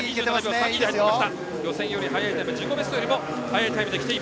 予選より速いタイム自己ベストよりも速いタイムです。